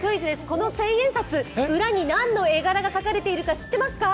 この千円札、裏に何の絵柄が描かれているか知ってますか？